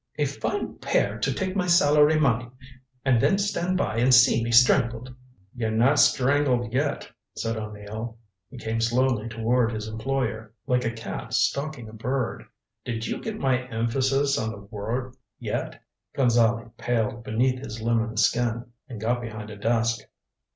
"A fine pair to take my salary money, and then stand by and see me strangled." "You're not strangled yet," said O'Neill. He came slowly toward his employer, like a cat stalking a bird. "Did you get my emphasis on the word yet?" Gonzale paled beneath his lemon skin, and got behind a desk.